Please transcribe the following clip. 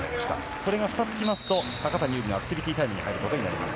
これが２つ入りますと高谷に有利なアクティビティタイムに入ります。